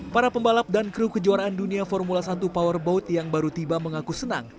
para pembalap dan kru kejuaraan dunia formula satu powerboat yang baru tiba mengaku senang